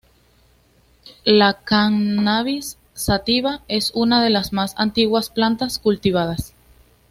La "Cannabis sativa" es una de las más antiguas plantas cultivadas.